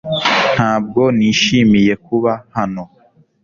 Ntabwo nishimiye kuba hano